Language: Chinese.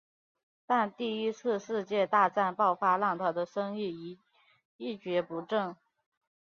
但第一次世界大战爆发让他的生意一蹶不振。